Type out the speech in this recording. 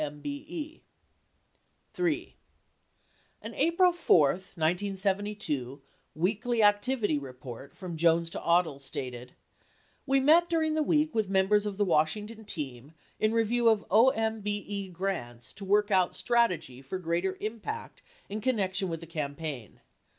An April 4, 1972, "Weekly Activity Report" 79 from Jones to Odle stated: We met during the week with members of the Washington Team in review of OMBE grants to work out strategy for greater impact in connection with the campaign.